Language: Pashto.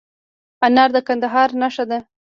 انار د کندهار نښه ده.